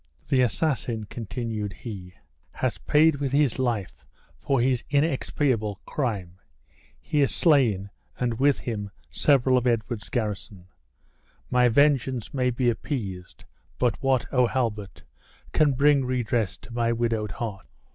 "The assassin," continued he, "has paid with his life for his inexpiable crime. He is slain, and with him several of Edward's garrison. My vengeance may be appeased; but what, O Halbert, can bring redress to my widowed heart?